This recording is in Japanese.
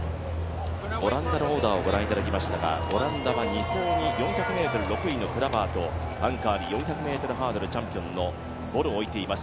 オランダのオーダーをご覧いただきましたが、オランダは２走に４００ｍ銀のクラバーとアンカーに４００ｍハードルのチャンピオン、ボルを置いています。